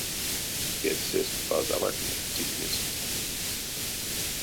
Кедьсэст пазаватне цитнесть сядо ликсэ.